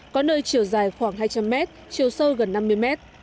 có nơi chiều dài khoảng hai trăm linh mét chiều sâu gần năm mươi mét